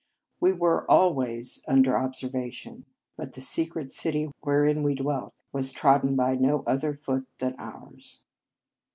We were always under ob servation, but the secret city wherein we dwelt was trodden by no other foot than ours.